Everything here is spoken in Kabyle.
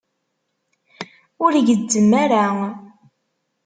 Ur gezzem ara.